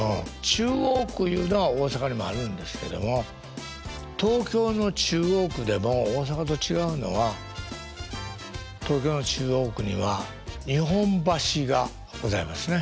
中央区いうのは大阪にもあるんですけども東京の中央区でも大阪と違うのは東京の中央区には日本橋がございますね。